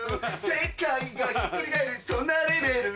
世界がひっくり返るそんなレベル？